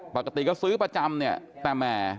ปกติก็ซื้อประจำเนี่ยแต่แหม